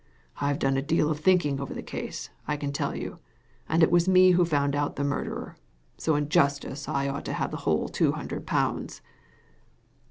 I've done a deal of thinking over the case, I can tell you« And it was me who found out the murderer. So in justice I ought to have the whole two hundred pounds."